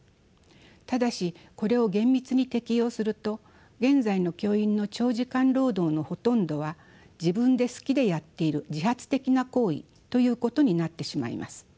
ただしこれを厳密に適用すると現在の教員の長時間労働のほとんどは自分で好きでやっている自発的な行為ということになってしまいます。